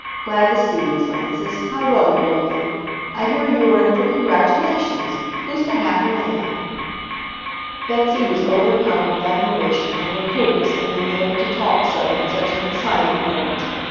Glad to see you, Frances. How well you're looking! I hear you are in for congratulations. Who's the happy man?" Betsy was overcome with admiration for her coolness in being able to talk so in such an exciting moment.